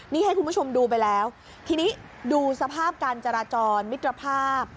นี่ให้คุณผู้ชมดูไปแล้วทีนี้ดูสภาพการจราจรมิตรภาพ